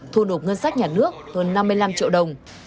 thu nộp ngân sách nhà nước hơn năm mươi năm triệu đồng